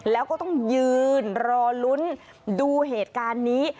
แล้วก็ต้องยืนรอลุ้นดูเหตุการณ์นี้